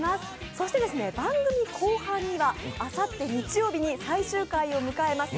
そして番組後半にはあさって日曜日に最終回を迎えます